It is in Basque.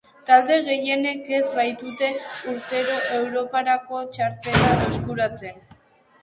Talde gehienek ez baitute urtero europarako txartela eskuratzen.